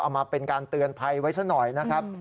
เอามาเป็นการเตือนภัยไว้ซะหน่อยนะครับ